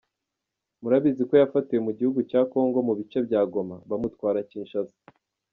Murabizi ko yafatiwe mu gihugu cya Congo mu bice bya Goma, bamutwara Kinshasa.